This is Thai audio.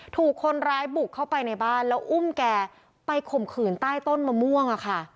ถูกคนร้ายบุกเข้าไปในบ้านแล้วอุ้มแกไปข่มขืนใต้ต้นมะม่วง